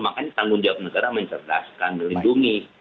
makanya tanggung jawab negara mencerdaskan melindungi